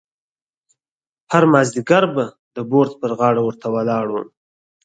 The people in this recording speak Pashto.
هر مازیګر به د بورد پر غاړه ورته ولاړ وم.